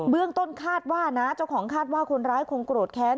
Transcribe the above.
เรื่องต้นคาดว่านะเจ้าของคาดว่าคนร้ายคงโกรธแค้น